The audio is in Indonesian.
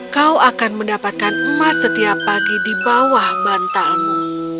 kau akan mendapatkan emas setiap pagi di bawah bantalmu